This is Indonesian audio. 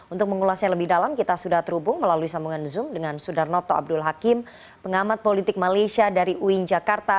untuk mengulasnya lebih dalam kita sudah terhubung melalui sambungan zoom dengan sudarnoto abdul hakim pengamat politik malaysia dari uin jakarta